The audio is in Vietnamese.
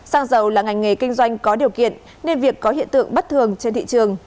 xăng dầu là ngành nghề kinh doanh có điều kiện nên việc có hiện tượng bất thường trên thị trường